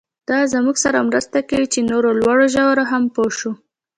دا زموږ سره مرسته کوي چې نورو لوړو ژورو هم پوه شو.